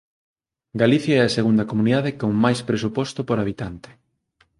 Galicia é a segunda comunidade con máis presuposto por habitante.